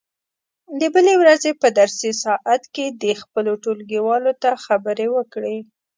د بلې ورځې په درسي ساعت کې دې خپلو ټولګیوالو ته خبرې وکړي.